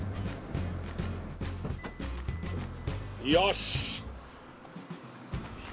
よし！